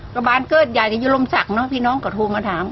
กระบานเกิดยายก็อยู่ลมศรักดิ์เเนาะพี่น้องก็ถูงมาถาม